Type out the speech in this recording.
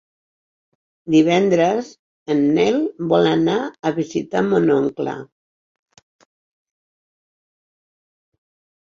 Divendres en Nel vol anar a visitar mon oncle.